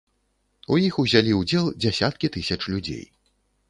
У іх узялі ўдзел дзясяткі тысяч людзей.